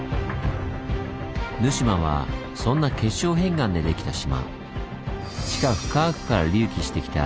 沼島はそんな結晶片岩でできた島。